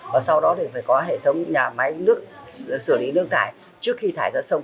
và sau đó thì phải có hệ thống nhà máy nước xử lý nước thải trước khi thải ra sông